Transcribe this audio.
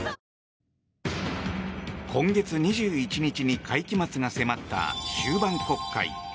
今月２１日に会期末が迫った終盤国会。